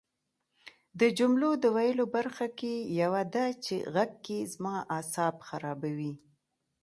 د جملو د ویلو برخه کې یوه ده چې غږ کې زما اعصاب خرابوي